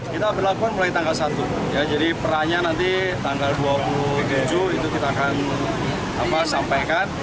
kita berlakukan mulai tanggal satu jadi perannya nanti tanggal dua puluh tujuh itu kita akan sampaikan